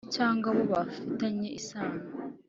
cyangwa abo bafitanye isano